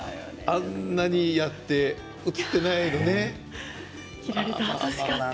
あんなにやって映ってないんだな。